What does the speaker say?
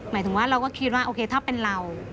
หมายถึงว่าเราก็คิดว่าโอเคถ้าเป็นเรา